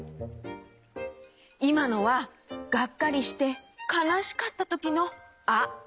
いまのはがっかりしてかなしかったときの「あ」！